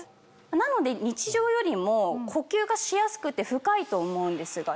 なので日常よりも呼吸がしやすくて深いと思うんですが。